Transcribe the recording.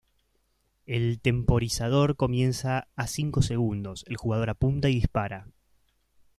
El temporizador comienza a cinco segundos, el jugador apunta y dispara.